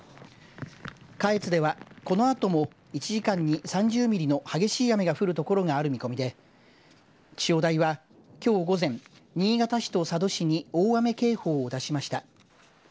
下越では、このあとも１時間に３０ミリの激しい雨が降る所がある見込みで気象台はきょう午前、新潟市と佐渡市に大雨警報を出しました。